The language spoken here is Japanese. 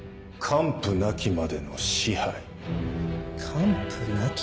完膚なきまでの支配。